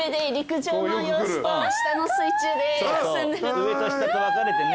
上と下と分かれてね。